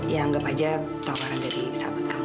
ya anggap saja tawaran dari sahabat kamu